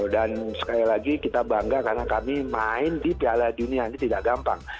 dan sekali lagi kita bangga karena kami main di piala dunia ini tidak gampang